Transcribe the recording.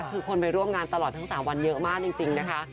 คือคนไปร่วมงานตลอดทั้ง๓วันเยอะมากจริงนะคะ